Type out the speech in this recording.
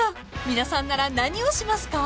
［皆さんなら何をしますか？］